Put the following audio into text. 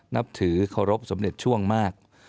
นับถือเคารพสมเด็จช่วงมาก